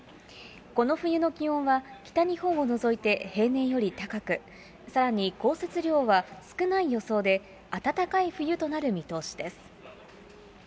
この冬の気温は、北日本を除いて平年より高く、さらに降雪量は少ない予想で、暖かい冬となる見通しです。